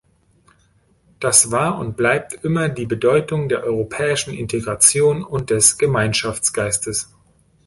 Das war und bleibt immer die Bedeutung der europäischen Integration und des Gemeinschaftsgeistes.